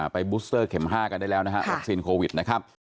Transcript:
บูสเตอร์เข็ม๕กันได้แล้วนะฮะวัคซีนโควิดนะครับ